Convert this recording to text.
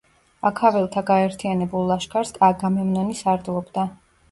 აქაველთა გაერთიანებულ ლაშქარს აგამემნონი სარდლობდა.